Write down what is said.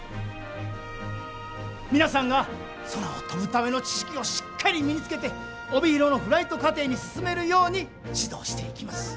皆さんが空を飛ぶための知識をしっかり身につけて帯広のフライト課程に進めるように指導していきます。